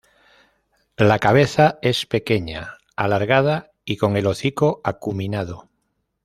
La cabeza es pequeña, alargada y con el hocico acuminado.